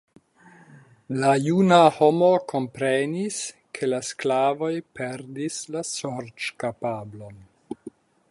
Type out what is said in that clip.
La juna homo komprenis, ke la sklavoj perdis la sorĉkapablon.